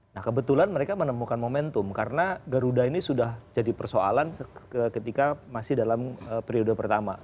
nah kebetulan mereka menemukan momentum karena garuda ini sudah jadi persoalan ketika masih dalam periode pertama